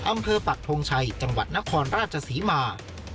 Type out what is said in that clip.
ปักทงชัยจังหวัดนครราชศรีมา